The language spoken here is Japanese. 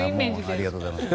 ありがとうございます。